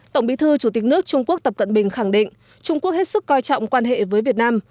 tổng bí thư chủ tịch nước trung quốc tập cận bình khẳng định trung quốc hết sức coi trọng quan hệ với việt nam